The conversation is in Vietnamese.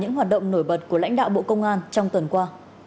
nổi bật của lãnh đạo bộ công an trong tuần qua